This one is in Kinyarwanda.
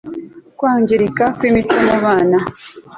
Kwangirika kwImico mu Bana